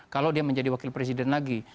kalau dia menjadi wakil presiden lagi